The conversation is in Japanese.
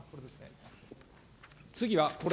次はこれ。